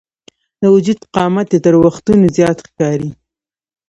د وجود قامت یې تر وختونو زیات ښکاري.